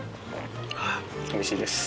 あっおいしいです。